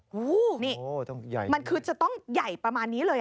โอ้โหนี่มันคือจะต้องใหญ่ประมาณนี้เลย